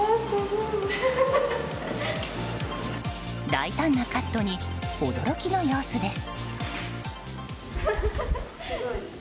大胆なカットに驚きの様子です。